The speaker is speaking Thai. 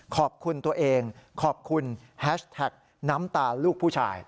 ขอบคุณตัวเองขอบคุณแฮชแท็กน้ำตาลูกผู้ชาย